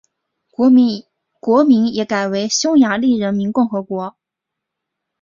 国名也改为匈牙利人民共和国。